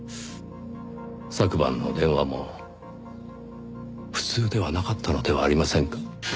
昨晩の電話も普通ではなかったのではありませんか？